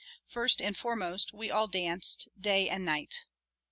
First and foremost, we all danced, day and night.